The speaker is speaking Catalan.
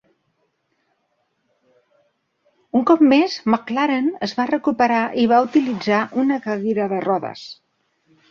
Un cop més, MacLaren es va recuperar i va utilitzar una cadira de rodes.